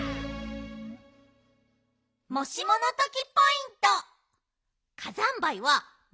もしものときポイント。